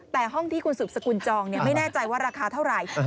แต่ห้องที่คุณสืบสกุลจองไม่แน่ใจว่าราคาเท่าไหร่